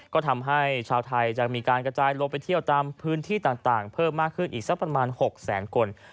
ก็ทำให้ชาวไทยจะมีการกระจายลงไปเที่ยวตามพื้นที่ต่างเพิ่มมากขึ้นอีกสักประมาณ๖แสนคน